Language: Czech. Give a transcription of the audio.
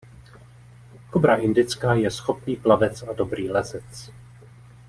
Kobra indická je schopný plavec a dobrý lezec.